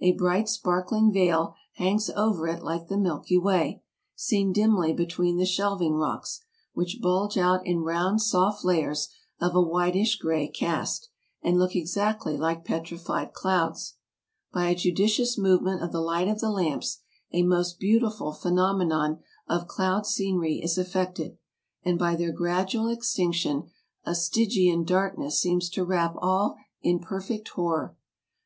A bright sparkling vail hangs over it like the Milky Way, seen dimly between the shelving rocks, which bulge out in round, soft layers, of a whitish gray cast, and look exactly like petrified clouds. By a judicious movement of the light of the lamps a most beautiful phenomenon of cloud scenery is effected, and by their gradual extinction a Stygian darkness seems to wrap all in perfect horror.